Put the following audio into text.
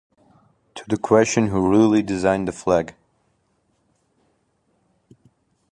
To the question Who really designed the flag?